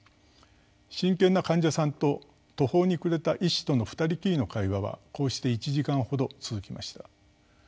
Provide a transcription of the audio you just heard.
真剣な患者さんと途方に暮れた医師との二人きりの会話はこうして１時間ほど続きました。